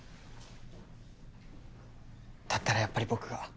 だったらやっぱり僕が。